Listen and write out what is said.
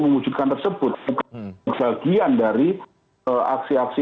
memujukan tersebut sebagian dari aksi aksi